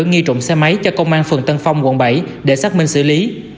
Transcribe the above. nghi trụng xe máy cho công an phường tân phong quận bảy để xác minh xử lý